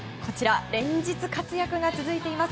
連日活躍が続いています